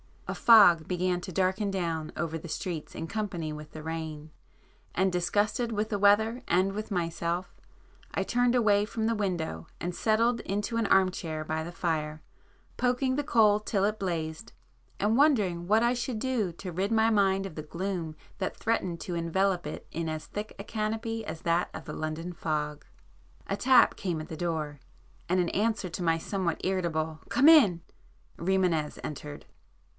A fog began to darken down over the streets in company with the rain,—and disgusted with the weather and with myself, I turned away from the window and settled into an arm chair by the fire, poking the coal till it blazed, and wondering what I should do to rid my mind of the gloom that threatened to envelop it in as thick a canopy [p 75] as that of the London fog. A tap came at the door, and in answer to my somewhat irritable "Come in!" Rimânez entered.